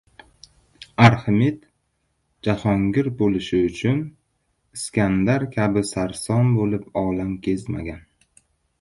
• Arximed jahongir bo‘lish uchun Iskandar kabi sarson bo‘lib olam kezmagan.